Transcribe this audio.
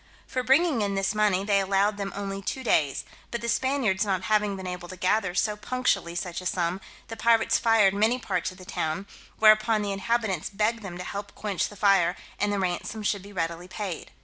For bringing in this money, they allowed them only two days; but the Spaniards not having been able to gather so punctually such a sum, the pirates fired many parts of the town; whereupon the inhabitants begged them to help quench the fire, and the ransom should be readily paid.